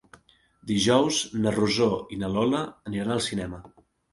Dijous na Rosó i na Lola aniran al cinema.